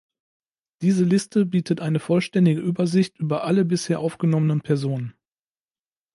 Diese Liste bietet eine vollständige Übersicht über alle bisher aufgenommenen Personen.